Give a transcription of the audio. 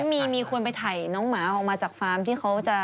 มีคนไปถ่ายน้องหมาออกมาจากฟาร์มที่เขาจะ